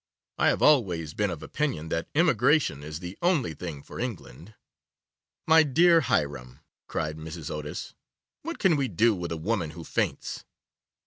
I have always been of opinion that emigration is the only thing for England.' 'My dear Hiram,' cried Mrs. Otis, 'what can we do with a woman who faints?